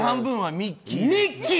ミッキー！